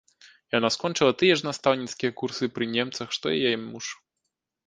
Яна скончыла тыя ж настаўніцкія курсы пры немцах, што і яе муж.